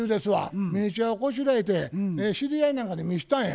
ミニチュアをこしらえて知り合いなんかに見したんや。